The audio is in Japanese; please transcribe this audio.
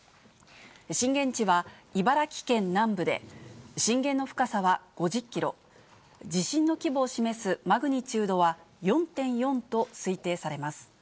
震源地は茨城県南部で、震源の深さは５０キロ、地震の規模を示すマグニチュードは４．４と推定されます。